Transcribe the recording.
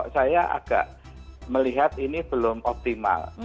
saya agak melihat ini belum optimal